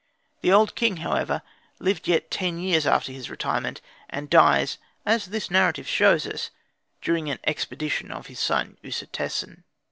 The old king, however, lived yet ten years after his retirement, and died (as this narrative shows us) during an expedition of his son Usertesen.